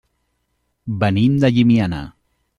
Venim de Llimiana.